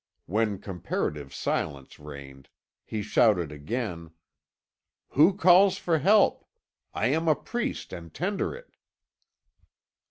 When comparative silence reigned, he shouted again: "Who calls for help? I am a priest, and tender it."